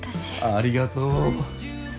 ありがとう。